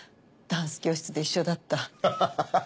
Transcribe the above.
ダンス教室で一緒だった。